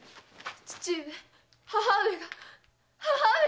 父上母上が母上が！